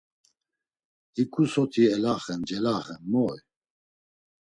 Hiǩu soti elaxen celaxen moy…